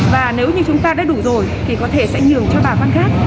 và nếu như chúng ta đã đủ rồi thì có thể sẽ nhường cho bà con khác